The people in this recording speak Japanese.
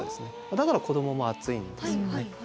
だから子どもも暑いんですよね。